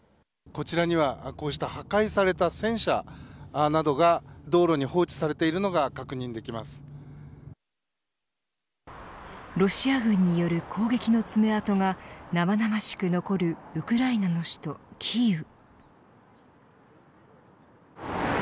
こちらにはこうした破壊された戦車などが道路に放置されているのがロシア軍による攻撃の爪痕が生々しく残るウクライナの首都キーウ。